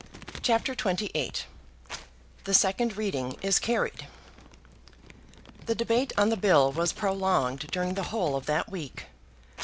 CHAPTER XXVIII The Second Reading Is Carried The debate on the bill was prolonged during the whole of that week.